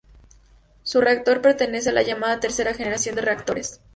Su reactor pertenece a la llamada tercera generación de reactores.